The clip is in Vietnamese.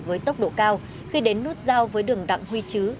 với tốc độ cao khi đến nút giao với đường đặng huy chứ